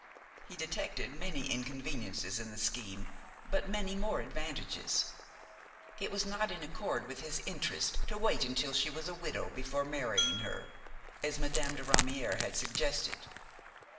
He detected many inconveniences in the scheme but many more advantages. It was not in accord with his interest to wait until she was a widow before marrying her, as Madame de Ramière had suggested.